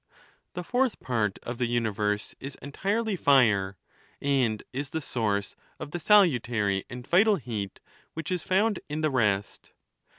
The fourth part of the uni verse is entirely fire, and is the source of the salutary and vital heat which is found in the rest.